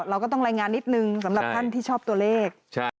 เราก็ต้องรายงานนิดนึงสำหรับท่านที่ชอบตัวเลข